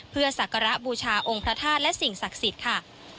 เพื่อสักการะบูชาองค์พระธาตุและสิ่งศักดิ์สิทธิ์ค่ะ